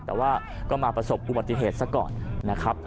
แต่ว่าก็มาประสบอุบัติเหตุซะก่อนนะครับ